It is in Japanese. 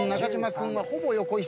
君はほぼ横一線。